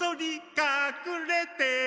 かくれて。